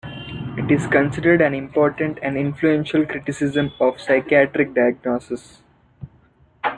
It is considered an important and influential criticism of psychiatric diagnosis.